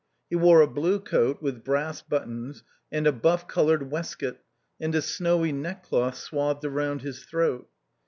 He wore a blue coat with brass buttons, and a buff coloured waistcoat, and a snowy neckcloth swathed round his throat.